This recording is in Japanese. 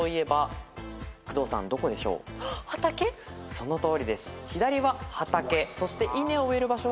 そのとおりです。